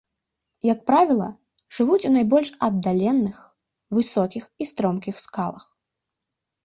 Як правіла, жывуць у найбольш аддаленых, высокіх і стромкіх скалах.